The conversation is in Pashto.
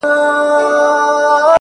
o نو زنده گي څه كوي ـ